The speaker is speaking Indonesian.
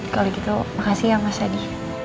kalo gitu makasih ya mas yadi